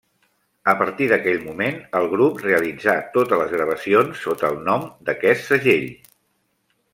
A partir d'aquell moment, el grup realitzà totes les gravacions sota el nom d'aquest segell.